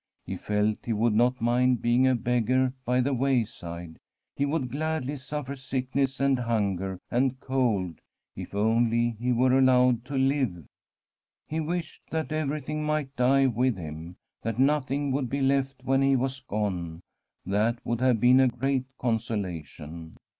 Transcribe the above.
He felt he would not mind being a beggar by the wayside; he would gladly suffer sickness and hunger and cold if only he were allowed to live. He wished that everything might die with him, that nothing would be left when he was gone ; that would have been a great consolation.